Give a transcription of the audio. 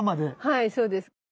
はいそうです。